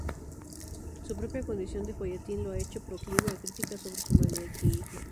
Su propia condición de folletín lo ha hecho proclive a críticas sobre su maniqueísmo.